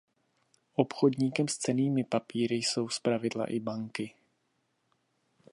Obchodníkem s cennými papíry jsou zpravidla i banky.